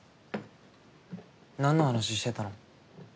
なんの話してたの？